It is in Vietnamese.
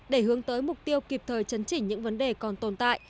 để hướng tới mục tiêu kịp thời chấn chỉnh những vấn đề còn tồn tại